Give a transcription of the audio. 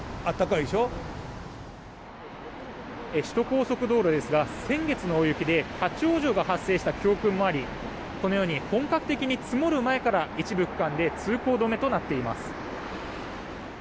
首都高速道路ですが先月の大雪で立ち往生が発生した教訓もありこのように本格的に積もる前から一部区間で通行止めとなっています。